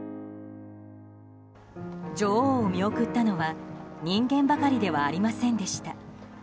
女王を見送ったのは人間ばかりではありませんでした。